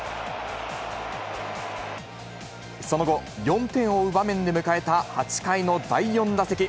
その後、４点を追う場面で迎えた８回の第４打席。